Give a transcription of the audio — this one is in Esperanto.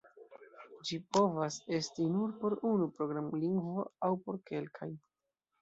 Ĝi povas esti nur por unu programlingvo aŭ por kelkaj.